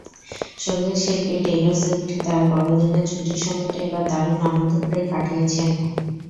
সংগীতশিল্পী Taylor Swift তাঁর বড়দিনের ছুটির সময়টা এবার দারুণ আনন্দ করেই কাটিয়েছেন।